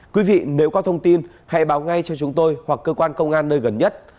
quý vị nếu có thông tin hãy báo ngay cho chúng tôi hoặc cơ quan công an nơi gần nhất